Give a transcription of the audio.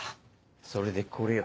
それでこれよ。